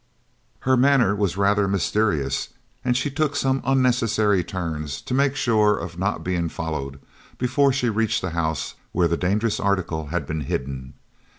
Her manner was rather mysterious, and she took some unnecessary turns, to make sure of not being followed, before she reached the house where the dangerous article had been hidden.